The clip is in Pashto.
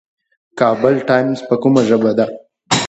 کابل ټایمز په کومه ژبه ده؟